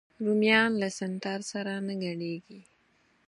رومیان له سنتر سره نه ګډېږي